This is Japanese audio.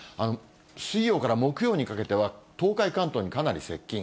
水曜から木曜にかけては、東海、関東にかなり接近。